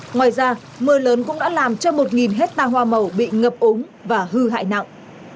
ngoài ra mưa lớn cũng đã làm cho một hecta hoa màu bị ngập ống và hư hại nặng